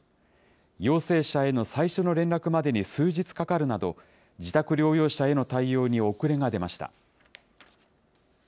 陽性者への最初の連絡までに数日かかるなど、自宅療養者への対応に遅れが出ました。